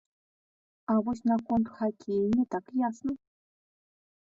А вось наконт хакея не так ясна.